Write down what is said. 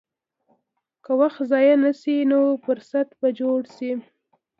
که وخت ضایع نه شي، نو فرصت به جوړ شي.